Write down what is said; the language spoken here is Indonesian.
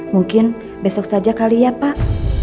mungkin besok saja kali ya pak